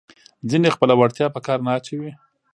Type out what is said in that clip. ځینې خپله وړتیا په کار نه اچوي.